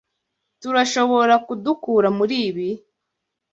Turashoborakudukura muri ibi?